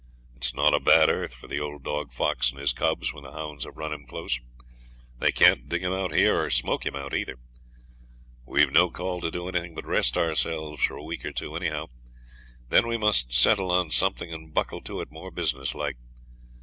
It's not a bad earth for the old dog fox and his cubs when the hounds have run him close. They can't dig him out here, or smoke him out either. We've no call to do anything but rest ourselves for a week or two, anyhow; then we must settle on something and buckle to it more business like.